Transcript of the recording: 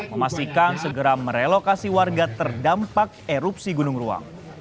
memastikan segera merelokasi warga terdampak erupsi gunung ruang